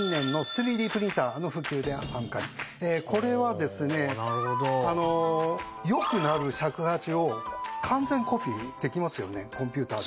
これはですねよく鳴る尺八を完全コピーできますよねコンピューターで。